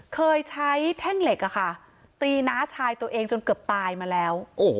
เคยใช้แท่งเหล็กตีน้าชายตัวเองจนเกือบตายมาแล้ว